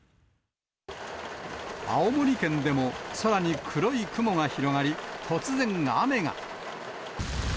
青森県でも空に黒い雲が広がり、突然雨が。